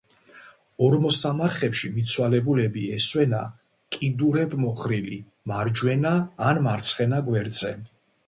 ორმოსამარხებში მიცვალებულები ესვენა კიდურებმოხრილი, მარჯვენა ან მარცხენა გვერდზე.